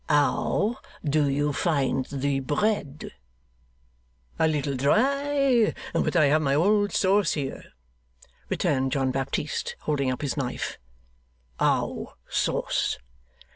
'How do you find the bread?' 'A little dry, but I have my old sauce here,' returned John Baptist, holding up his knife. 'How sauce?